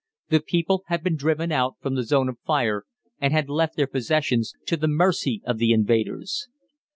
The people had been driven out from the zone of fire, and had left their possessions to the mercy of the invaders.